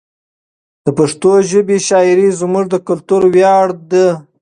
د پښتو ژبې شاعري زموږ د کلتور ویاړ ده.